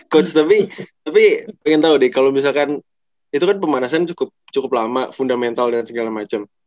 coach tapi pengen tahu deh kalau misalkan itu kan pemanasan cukup lama fundamental dan segala macam